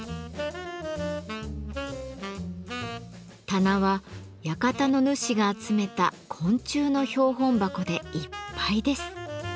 棚は館の主が集めた昆虫の標本箱でいっぱいです。